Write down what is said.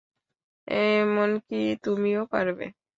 এমনকি তুমিও পারবে।